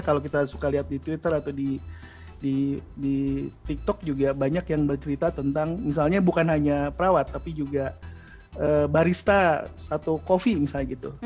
kalau kita suka lihat di twitter atau di tiktok juga banyak yang bercerita tentang misalnya bukan hanya perawat tapi juga barista satu coffee misalnya gitu